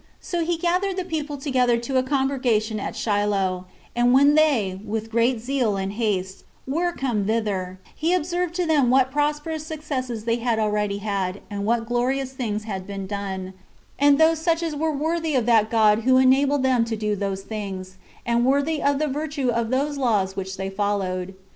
So he gathered the people together to a congregation at Shiloh; and when they, with great zeal and haste, were come thither, he observed to them what prosperous successes they had already had, and what glorious things had been done, and those such as were worthy of that God who enabled them to do those things, and worthy of the virtue of those laws which they followed.